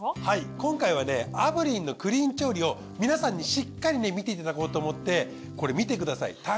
はい今回はね炙輪のクリーン調理を皆さんにしっかりね見ていただこうと思ってこれ見てください。